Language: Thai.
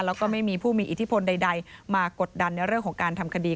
แล้วก็ไม่มีผู้มีอิทธิพลใดมากดดันในเรื่องของการทำคดี